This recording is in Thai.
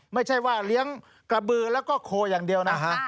ไม่ใช่ว่าเลี้ยงกระบือแล้วก็โคอย่างเดียวนะฮะ